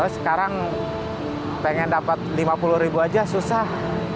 sekarang pengen dapat lima puluh ribu aja susah